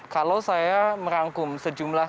kalau saya merangkum sejumlah